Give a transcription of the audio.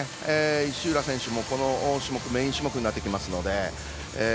石浦選手もこの種目メイン種目になってきますので。